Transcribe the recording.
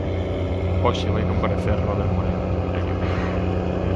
Hoxe vai comparecer Robert Moreno, Terio.